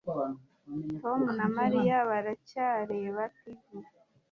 Tom na Mariya baracyareba TV